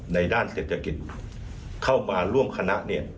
ในด้านเศรษฐกิจเข้ามาร่วมคณะ